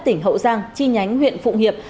tỉnh hậu giang chi nhánh huyện phụng hiệp